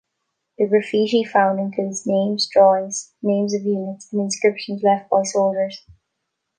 The graffiti found includes names, drawings, names of units, and inscriptions left by soldiers.